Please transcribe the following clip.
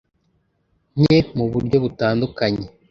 nke mu buryo butandukanye